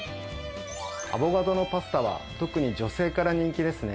アボカドのパスタは特に女性から人気ですね。